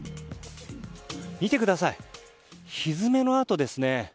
見てくださいひづめの跡ですね。